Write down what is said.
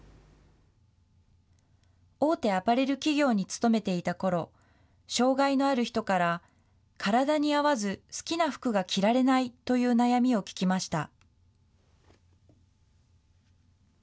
大手アパレル企業に勤めていたころ、障害のある人から、体に合わず好きな服が着られないという悩みを聞きました。